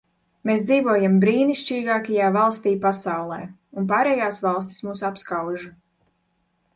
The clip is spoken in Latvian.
Mēs dzīvojam brīnišķīgākajā valstī pasaulē, un pārējās valstis mūs apskauž.